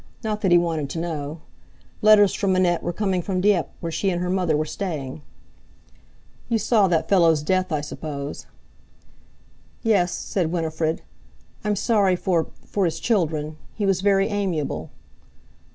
Not that he wanted to know. Letters from Annette were coming from Dieppe, where she and her mother were staying. "You saw that fellow's death, I suppose?" "Yes," said Winifred. "I'm sorry for—for his children. He was very amiable."